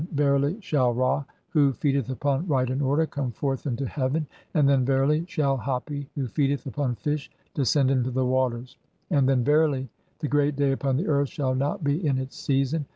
121 "verily shall Ra — who feedeth upon right and order — come forth "into heaven, and then, verily, (i3) shall Hapi — who feedeth "upon fish — descend into the waters ; and then, verily, the great "day upon the earth shall not be in its season.